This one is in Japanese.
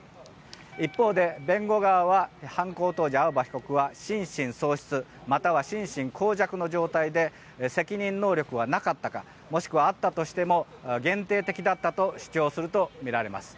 一方で、弁護側は犯行当時、青葉被告は心神喪失または心神耗弱の状態で責任能力はなかったかはもしくはあったとしても限定的だったと主張するとみられます。